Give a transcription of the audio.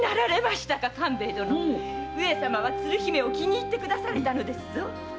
上様は鶴姫を気に入ってくだされたのですぞ。